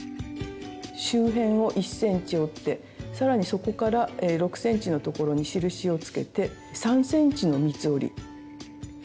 周辺を１ｃｍ折って更にそこから６ｃｍのところに印をつけて３ｃｍの三つ折り。